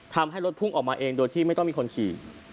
ทำให้รถพุ่งออกมาเองโดยที่ไม่ต้องมีคนขี่